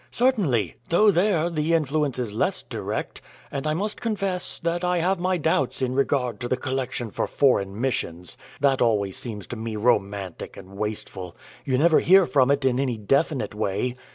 "Certainly; though there the influence is less direct; and I must confess that I have my doubts in regard to the collection for Foreign Missions. That always seems to me romantic and wasteful. You never hear from it in any definite way.